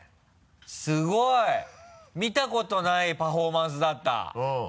すごい！見たことないパフォーマンスだった。